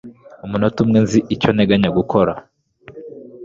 umunota umwe nzi icyo nteganya gukora